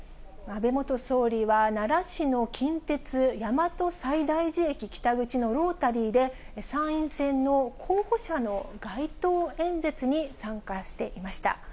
安倍元総理は、奈良市の近鉄大和西大寺駅北口のロータリーで、参院選の候補者の街頭演説に参加していました。